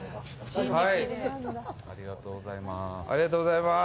ありがとうございます。